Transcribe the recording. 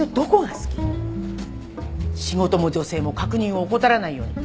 仕事も女性も確認を怠らないように。